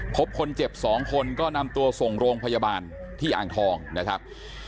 พบคนเจ็บ๒คนก็นำตัวส่งโรงพยาบาลที่อ่างทองนะครับ